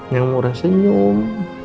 yang murah senyum